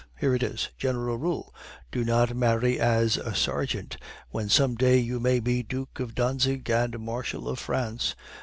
Here it is. General Rule: Do not marry as a sergeant when some day you may be Duke of Dantzig and Marshal of France.